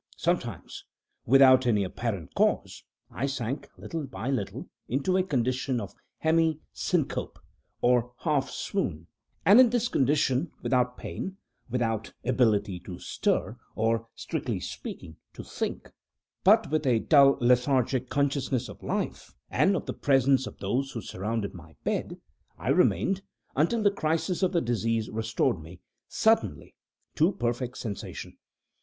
Sometimes, without any apparent cause, I sank, little by little, into a condition of hemi syncope, or half swoon; and, in this condition, without pain, without ability to stir, or, strictly speaking, to think, but with a dull lethargic consciousness of life and of the presence of those who surrounded my bed, I remained, until the crisis of the disease restored me, suddenly, to perfect sensation.